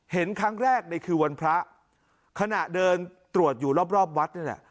เห็นครั้งแรกในคือวันพระขณะเดินตรวจอยู่รอบรอบวัดนี่แหละ